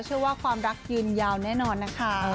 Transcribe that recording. ว่าความรักยืนยาวแน่นอนนะคะ